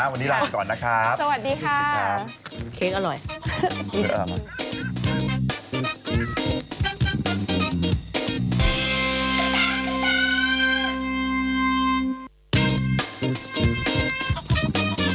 สวัสดีครับ